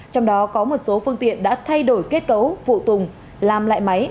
trong đó có một số phương tiện đã thay đổi kết cấu phụ tùng làm lại máy